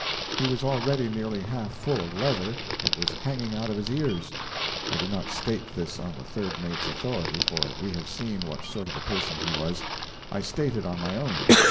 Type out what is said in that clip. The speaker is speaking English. He was already nearly half full of leather; it was hanging out of his ears. (I do not state this on the third mate's authority, for we have seen what sort of a person he was; I state it on my own.)